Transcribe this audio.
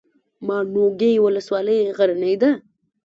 ماڼوګي ولسوالۍ غرنۍ ده؟